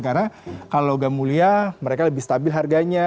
karena kalau logam mulia mereka lebih stabil harganya